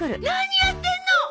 何やってんの！？